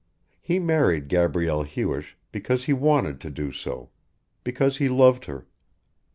He married Gabrielle Hewish because he wanted to do so; because he loved her.